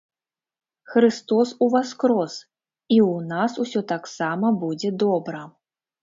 Хрыстос уваскрос, і ў нас усё таксама будзе добра.